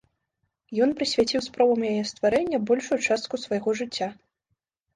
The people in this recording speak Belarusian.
Ён прысвяціў спробам яе стварэння большую частку свайго жыцця.